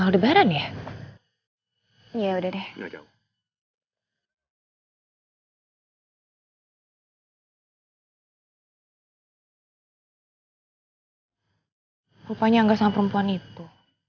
rupanya gak sama perempuan itu